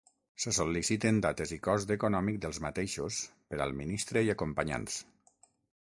Se sol·liciten dates i cost econòmic dels mateixos per al ministre i acompanyants.